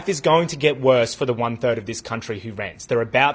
kehidupan akan menjadi lebih buruk untuk satu teras negara ini yang mengusir